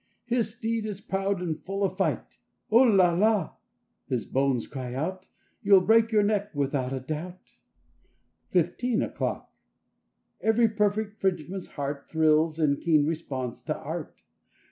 His steed is proud and full of fight. ''Oo la la!" His bonne cries out— "You'll break your neck without a doubt!" 33 . I A FOURTEEN O'CLOCK 35 FIFTEEN O'CLOCK E very perfect Frenchman's heart Thrills in keen response to Art.